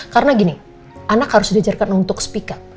karena gini anak harus diajarkan untuk speak up